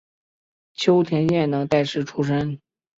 秋田县能代市出身。